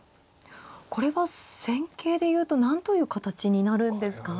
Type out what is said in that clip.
これは戦型で言うと何という形になるんですか。